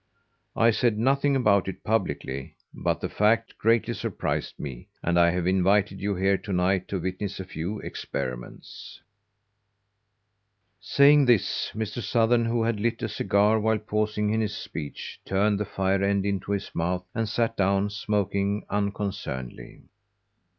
I said nothing about it publicly, but the fact greatly surprised me, and I have invited you here to night to witness a few experiments." Saying this, Mr. Sothern, who had lit a cigar while pausing in his speech, turned the fire end into his mouth and sat down, smoking unconcernedly.